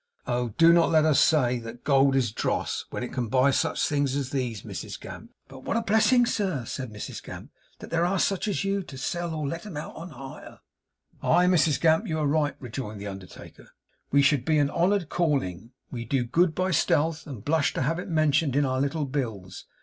Oh! do not let us say that gold is dross, when it can buy such things as these, Mrs Gamp.' 'But what a blessing, sir,' said Mrs Gamp, 'that there are such as you, to sell or let 'em out on hire!' 'Aye, Mrs Gamp, you are right,' rejoined the undertaker. 'We should be an honoured calling. We do good by stealth, and blush to have it mentioned in our little bills.